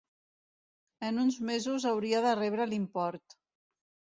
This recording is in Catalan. En uns mesos hauria de rebre l'import.